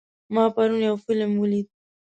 ما پرون یو فلم ولید.